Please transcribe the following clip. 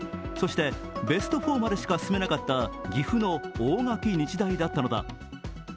そしてベスト４までしか進めなかった岐阜の大垣日大だったのだ。